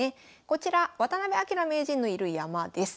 こちら渡辺明名人のいる山です。